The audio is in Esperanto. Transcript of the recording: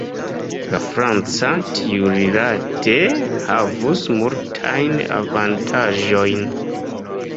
La franca, tiurilate, havus multajn avantaĝojn.